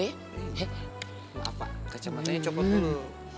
itu apa kacamatanya copot dulu